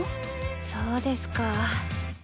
そうですか。